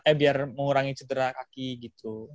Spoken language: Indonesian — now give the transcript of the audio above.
eh biar mengurangi cedera kaki gitu